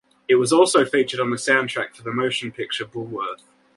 It was also featured on the soundtrack for the motion picture "Bulworth".